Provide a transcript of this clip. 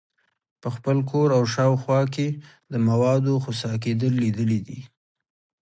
په خپل کور او شاوخوا کې د موادو خسا کیدل لیدلي دي.